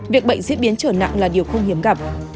việc bệnh diễn biến trở nặng là điều không hiếm gặp